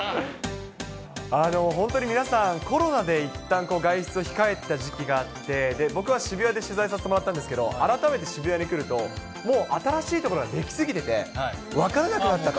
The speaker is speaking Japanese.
本当に皆さん、コロナでいったん、外出を控えてた時期があって、僕は渋谷で取材させてもらったんですけど、改めて渋谷に来ると、もう新しい所が出来すぎてて、分からなくなったと。